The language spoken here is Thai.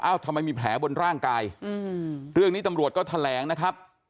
ทำไมมีแผลบนร่างกายอืมเรื่องนี้ตำรวจก็แถลงนะครับ